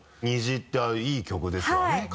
「虹」っていい曲ですよね